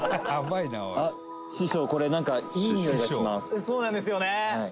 「そうなんですよね」